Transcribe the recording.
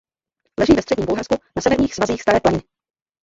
Leží ve středním Bulharsku na severních svazích Staré planiny.